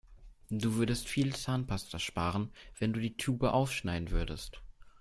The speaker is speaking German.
Du würdest viel Zahnpasta sparen, wenn du die Tube aufschneiden würdest.